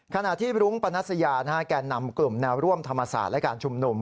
ขณะที่รุ้งปนัสยาแก่นำกลุ่มแนวร่วมธรรมศาสตร์และการชุมนุม